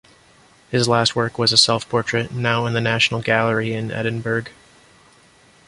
His last work was a self-portrait, now in the National Gallery in Edinburgh.